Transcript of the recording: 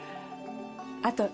あと。